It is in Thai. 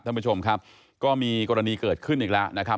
ท่านผู้ชมครับก็มีกรณีเกิดขึ้นอีกแล้วนะครับ